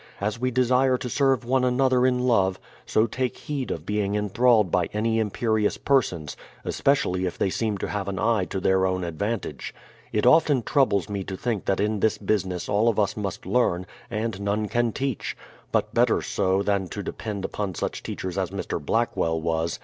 As we desire to serve one another in love, so take heed of being enthralled by any imperious persons, — especially if they seem to have an eye to their own advantage. It often troubles me to think that in this business all of us must learn, and none can teach; but better so, than to depend upon such teachers as Mr. Blackwell was.